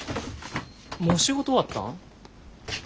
もう仕事終わったん？